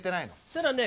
ただね